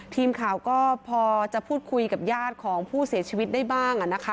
ทีมข่าวก็พอจะพูดคุยกับญาติของผู้เสียชีวิตได้บ้างนะคะ